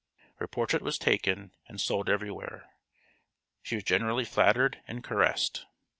Her portrait was taken and sold everywhere. She was generally flattered and caressed.